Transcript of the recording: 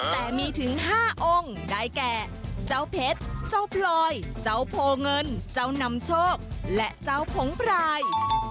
แต่มีถึง๕องค์ได้แก่เจ้าเพชรเจ้าพลอยเจ้าโพเงินเจ้านำโชคและเจ้าผงพราย